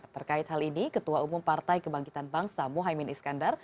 terkait hal ini ketua umum partai kebangkitan bangsa mohaimin iskandar